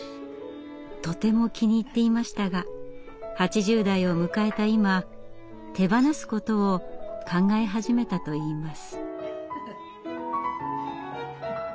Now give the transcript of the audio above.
とても気に入っていましたが８０代を迎えた今手放すことを考え始めたといいます。